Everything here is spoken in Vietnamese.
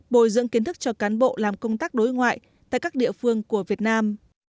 bồi dưỡng kiến thức cho cán bộ làm công tác đối ngoại tại các địa phương của việt nam